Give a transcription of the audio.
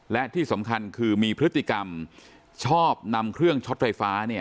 และที่สำคัญคือมีพฤติกรรมชอบนำเครื่องช็อตไฟฟ้า